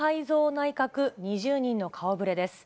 内閣２０人の顔ぶれです。